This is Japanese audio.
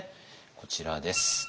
こちらです。